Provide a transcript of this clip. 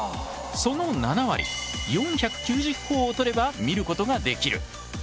その７割４９０ほぉを取れば見ることができる。